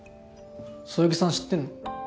そよぎさん知ってんの？